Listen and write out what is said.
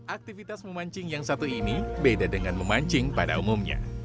aktivitas memancing yang satu ini beda dengan memancing pada umumnya